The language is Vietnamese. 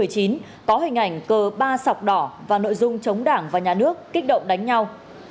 có hình ảnh cờ ba sọc đỏ và nội dung chống đảng và nhà nước kích động đánh nhau